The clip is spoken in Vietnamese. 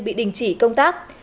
bị đình chỉ công tác